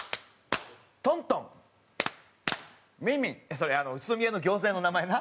それ宇都宮の餃子屋の名前な。